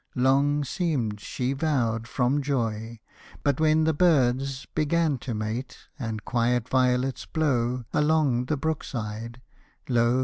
Long seemed she vowed from joy, but when the birds Began to mate, and quiet violets blow Along the brook side, lo!